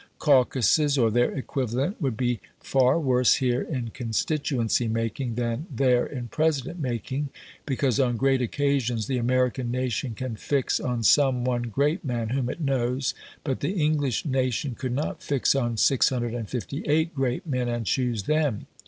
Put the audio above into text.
Caucuses, or their equivalent, would be far worse here in constituency making than there in President making, because on great occasions the American nation can fix on some one great man whom it knows, but the English nation could not fix on 658 great men and choose them.